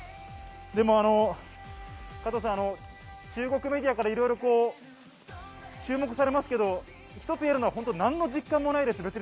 でも加藤さん、中国メディアからいろいろ注目されますけど、一つ言えるのは何の実感もないです。